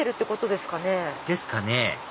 ですかね？